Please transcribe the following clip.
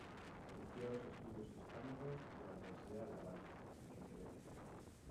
Dirigió los estudios hispánicos de la Universidad Laval, en Quebec.